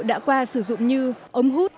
đã qua sử dụng như ống hút